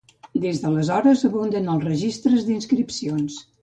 Des d'aleshores abunden els registres d'inscripcions.